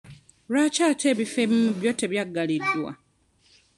Lwaki ate ebifo ebimu byo tebyaggaliddwa?